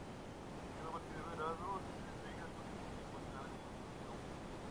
Por cada partido ganado se entregan dos puntos, por cada encuentro perdido uno.